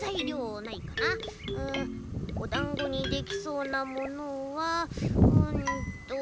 んおだんごにできそうなものはうんと。